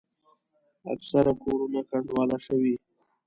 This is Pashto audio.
اکثره کورونه کنډواله شوي.